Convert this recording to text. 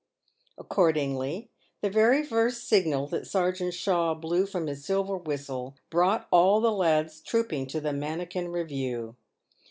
Accordingly, the very first signal that Sergeant Shaw blew from his silver whistle, brought all the lads trooping to the manikin review.